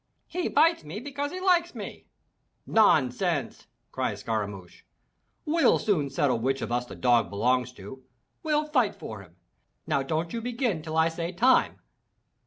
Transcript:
"He bites me because he likes me!" "Nonsense!" cries Scaramouch. "We'll soon settle which of us the dog belongs to. We'll fight for him. Now don't you begin till I say Time!'"